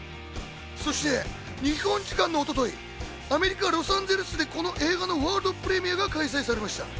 そして日本時間の一昨日、アメリカ・ロサンゼルスでこの映画のワールドプレミアが開催されました。